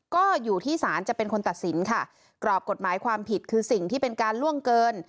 ก็อยู่ที่ศาลจะเป็นคนตัดสินค่ะกรอบกฎหมายความผิดคือสิ่งที่เป็นการล่วงเกิน